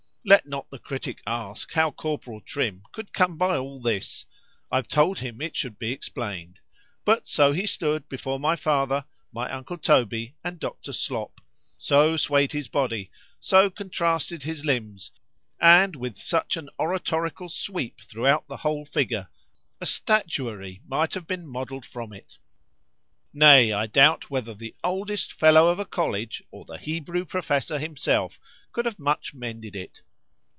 Let not the critic ask how Corporal Trim could come by all this.——I've told him it should be explained;—but so he stood before my father, my uncle Toby, and Dr. Slop,—so swayed his body, so contrasted his limbs, and with such an oratorical sweep throughout the whole figure,——a statuary might have modelled from it;——nay, I doubt whether the oldest Fellow of a College,—or the Hebrew Professor himself, could have much mended it.